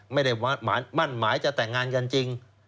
ไม่ได้หมั่นหมายจะแตกงานจริง